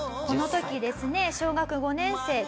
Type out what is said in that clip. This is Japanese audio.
この時ですね小学５年生